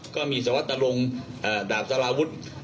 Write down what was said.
ก็มีสวรรค์ตะลงดาบสลาวุธ